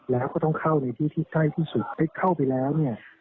แล้วก็ต้องเข้าในที่ที่ใกล้ที่สุดเข้าไปแล้วเนี่ย